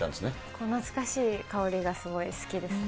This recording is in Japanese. この懐かしい香りがすごい好きですね。